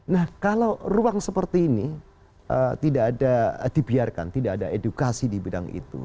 nah kalau ruang seperti ini tidak ada edukasi di bidang itu